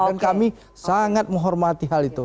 dan kami sangat menghormati hal itu